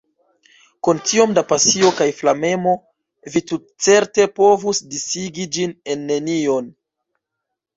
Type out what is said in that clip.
Kun tiom da pasio kaj flamemo, vi tutcerte povus disigi ĝin en nenion.